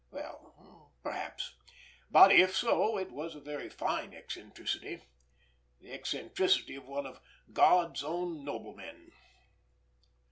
Well, perhaps—but if so, it was a very fine eccentricity, the eccentricity of one of God's own noblemen.